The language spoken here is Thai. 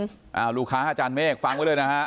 อ่าลูกค้าอาจารย์เมฆฟังไว้เลยนะฮะ